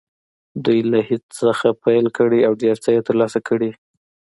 دوی له هېڅ نه پیل کړی او ډېر څه یې ترلاسه کړي دي